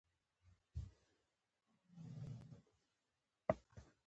يره بدن مې دسې خوږخوږ تخنېده.